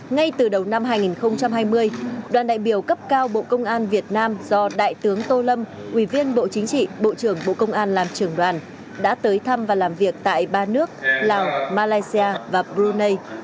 ngay từ đầu năm hai nghìn hai mươi đoàn đại biểu cấp cao bộ công an việt nam do đại tướng tô lâm ủy viên bộ chính trị bộ trưởng bộ công an làm trưởng đoàn đã tới thăm và làm việc tại ba nước lào malaysia và brunei